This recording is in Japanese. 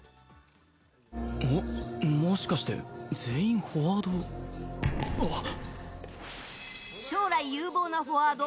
も、もしかして全員フォワード？